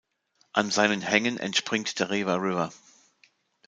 An seinen Hängen entspringt der Rewa River.